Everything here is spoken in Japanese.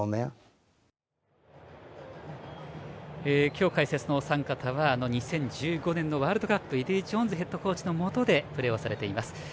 今日、解説のお三方は２０１５年のワールドカップエディー・ジョーンズヘッドコーチのもとでプレーをされています。